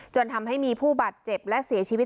จนทำให้มีผู้บาดเจ็บและเสียชีวิต